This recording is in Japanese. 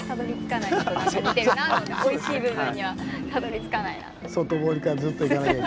おいしい部分にはたどりつかないなって。